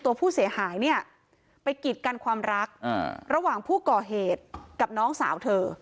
ตัวผู้เสียหายเนี่ยไปกิดกันความรักระหว่างผู้ก่อเหตุกับน้องสาวเธอ